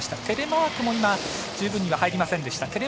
テレマークも十分には入りませんでした。